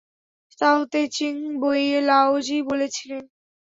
তাও-তে-চিং বইয়ে লাওজি বলেছিল।